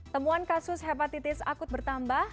temuan kasus hepatitis akut bertambah